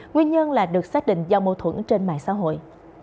nguyên nhân là được xác định do mâu thuẫn trên mạng xã hội